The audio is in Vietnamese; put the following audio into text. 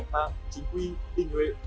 cách mạng chính quy tinh nguyện